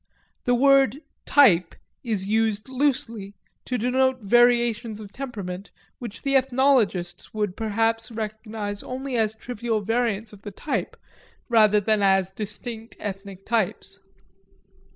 The word "type" is used loosely, to denote variations of temperament which the ethnologists would perhaps recognize only as trivial variants of the type rather than as distinct ethnic types.